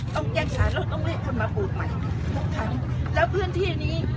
ต้องแกล้งสารแล้วต้องเรียกคนมาปลูกใหม่พวกทั้งแล้วเพื่อนที่นี้